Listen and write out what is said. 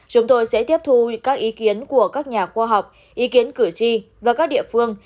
chúng tôi sẽ tiếp thu các ý kiến của các nhà khoa học ý kiến cử tri và các địa phương